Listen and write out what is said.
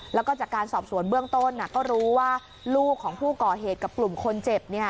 แล้วก็จากการสอบสวนเบื้องต้นก็รู้ว่าลูกของผู้ก่อเหตุกับกลุ่มคนเจ็บ